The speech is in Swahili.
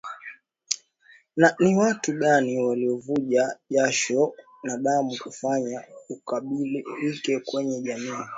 Na ni watu gani waliovuja jasho na damu kuufanya ukubalike kwenye jamii